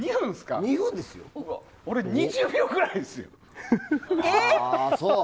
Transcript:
俺、２０秒くらいですよ。